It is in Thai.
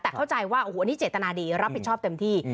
แต่เข้าใจว่าโอ้โหอันนี้เจตนาดีรับผิดชอบเต็มที่